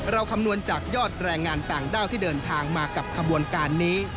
คำนวณจากยอดแรงงานต่างด้าวที่เดินทางมากับขบวนการนี้